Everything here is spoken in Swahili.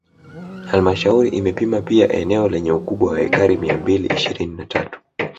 Halmashauri imepima pia eneo lenye ukubwa wa ekari mia mbili ishirini na tatu